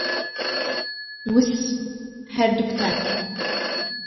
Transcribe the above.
وس، هەردووکتان.